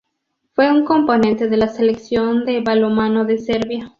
Fue un componente de la Selección de balonmano de Serbia.